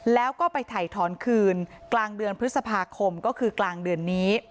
แล้วก็ไปถ่ายถอนคืนกลางเดือนพฤษภาคมก็คือกลางเดือนนี้